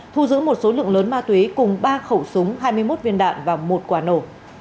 thu giữ một số lượng lớn ma túy cùng ba khẩu súng hai mươi một viên đạn và một quả nổ